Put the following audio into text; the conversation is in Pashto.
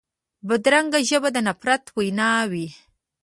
بدرنګه ژبه د نفرت وینا وي